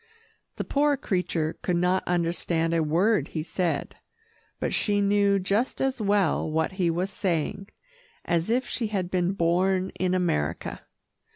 The poor creature could not understand a word he said, but she knew just as well what he was saying, as if she had been born in America.